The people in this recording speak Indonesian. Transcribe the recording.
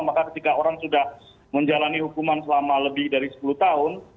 maka ketika orang sudah menjalani hukuman selama lebih dari sepuluh tahun